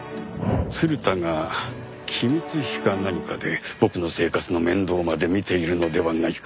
鶴田が機密費か何かで僕の生活の面倒まで見ているのではないか。